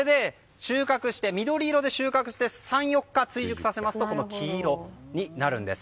緑色で収穫して３日ほど追熟させると黄色になるんです。